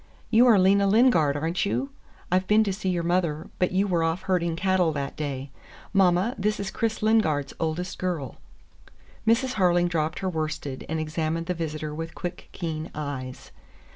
"You are Lena Lingard, are n't you? I've been to see your mother, but you were off herding cattle that day. Mama, this is Chris Lingard's oldest girl." Mrs. Harling dropped her worsted and examined the visitor with quick, keen eyes.